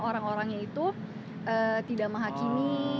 orang orangnya itu tidak menghakimi